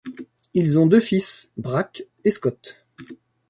Ils ont deux fils, Brack et Scott.